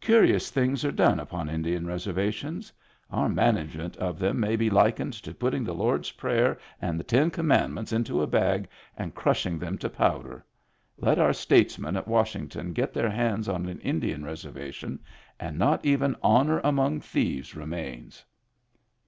Curious things are done upon Indian reserva tions. Our management of them may be likened to putting the Lord's Prayer and the Ten Com mandments into a bag and crushing them to powder. Let our statesmen at Washington get their hands on an Indian reservation, and not even honor among thieves remains."